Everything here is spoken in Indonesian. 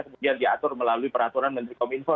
kemudian diatur melalui peraturan menteri kominfo